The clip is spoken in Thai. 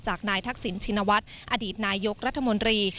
จากนายทักศิลป์ชินวัฒน์อดีตนายยกรัฐมนตรี